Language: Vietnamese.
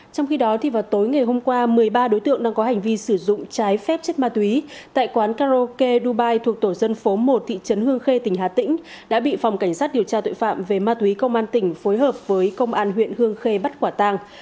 trong khi đó vào tối ngày hôm qua một mươi ba đối tượng đang có hành vi sử dụng trái phép chất ma túy tại quán karaoke dubai thuộc tổ dân phố một thị trấn hương khê tỉnh hà tĩnh đã bị phòng cảnh sát điều tra tội phạm về ma túy công an tỉnh phối hợp với công an huyện hương khê bắt quả tàng